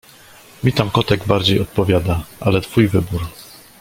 Mi tam kotek bardziej odpowiada, ale twój wybór.